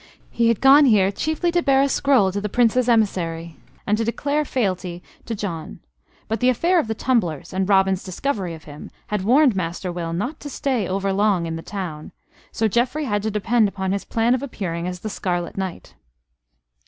He had gone here chiefly to bear a scroll to the Prince's emissary, and to declare fealty to John; but the affair of the tumblers and Robin's discovery of him had warned Master Will not to stay over long in the town, so Geoffrey had to depend upon his plan of appearing as the Scarlet Knight.